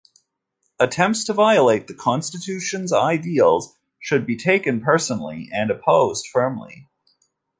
Attempts to violate the Constitution's ideals should be taken personally, and opposed firmly.